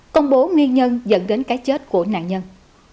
công bố nguyên nhân dẫn đến cái chết của nạn nhân